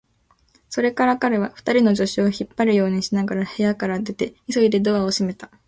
それから彼は、二人の助手を引っ張るようにしながら部屋から出て、急いでドアを閉めた。